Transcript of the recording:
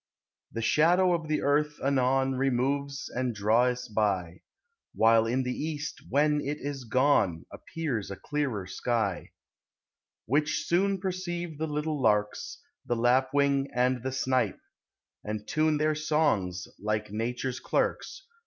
The shadow of the earth anon Removes and drawis by, While in the East, when it is gone, Appears a clearer sky. Which soon perceive the little larks, The lapwing and the snipe. And tune their songs, like Nature's clerks.